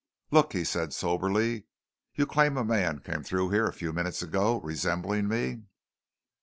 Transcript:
"Look," he said soberly. "You claim a man came through here a few minutes ago, resembling me?"